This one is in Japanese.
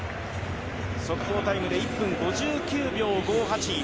速報タイムで１分５９秒５８。